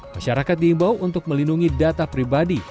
masyarakat diimbau untuk melindungi data pribadi